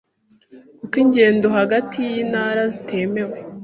kuko ingendo hagati y'intara zitemewe